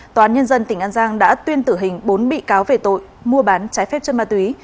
tòa án nhân dân tỉnh an giang đã tuyên tử hình bốn bị cáo về tội mua bán trái phép chất ma túy